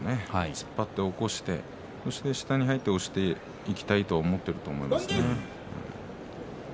突っ張って、起こしてそして下に入って押していきたいと思っていると思います。